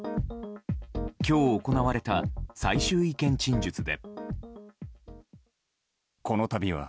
今日行われた最終意見陳述で。